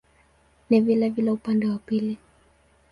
Ni vilevile upande wa pili.